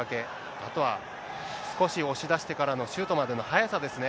あとは、少し押し出してからの、シュートまでの速さですね。